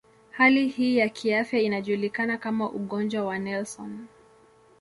Hali hii ya kiafya inajulikana kama ugonjwa wa Nelson.